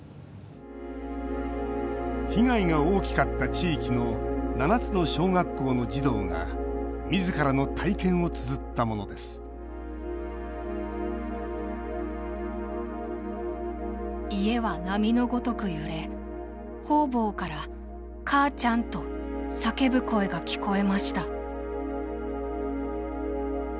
被害が大きかった地域の７つの小学校の児童がみずからの体験をつづったものです「家は波の如くゆれ方々から『母ちゃん』と叫ぶ声が聞こえました」。